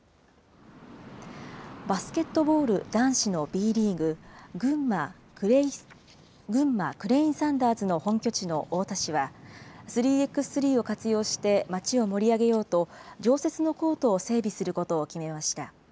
バスケットボール男子のＢリーグ・群馬クレインサンダーズの本拠地の太田市は、３Ｘ３を活用して、町を盛り上げようと、常設のコートを整備することを決めました。